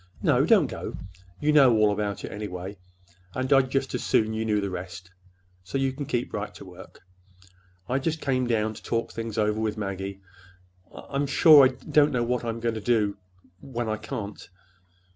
"No, don't go. You know all about it, anyway,—and I'd just as soon you knew the rest. So you can keep right to work. I just came down to talk things over with Maggie. I—I'm sure I don't know w what I'm going to do—when I can't."